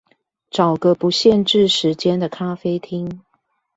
找個不限制時間的咖啡廳